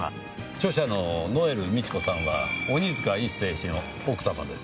著者のノエル美智子さんは鬼塚一誠氏の奥様です。